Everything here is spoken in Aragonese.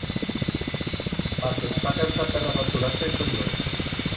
A que esta cansa perra d'aturar-te soi yo.